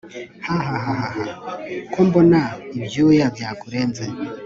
hahahaha, ko mbona ibyuya byakurenze